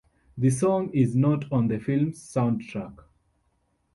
The song is not on the film's soundtrack.